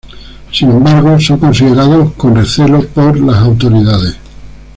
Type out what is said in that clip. Sin embargo, son considerados con recelo por las autoridades.